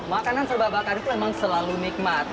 makanan serba bakar itu memang selalu nikmat